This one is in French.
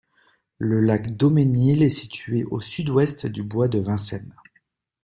Le lac Daumesnil est situé au sud-ouest du bois de Vincennes.